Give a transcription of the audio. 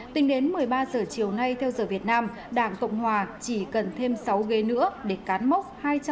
tính đến một mươi ba giờ chiều nay theo giờ việt nam đảng cộng hòa chỉ cần thêm sáu ghế nữa để cán mốc hai trăm một mươi ba